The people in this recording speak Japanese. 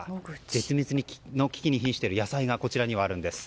絶滅の危機に瀕している野菜がこちらにはあるんです。